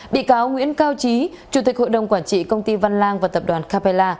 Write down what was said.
bị cáo nguyễn cao trí chủ tịch hội đồng quản trị công ty văn lang và tập đoàn capella